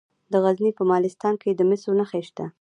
د غزني په مالستان کې د مسو نښې شته.